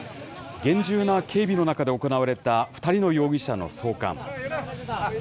厳重な警備の中で行われた、２人の容疑者の送還。